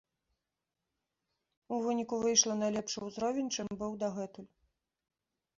У выніку выйшла на лепшы ўзровень, чым быў дагэтуль.